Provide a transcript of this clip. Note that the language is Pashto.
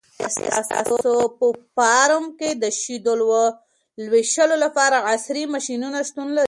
آیا ستاسو په فارم کې د شیدو لوشلو لپاره عصري ماشینونه شتون لري؟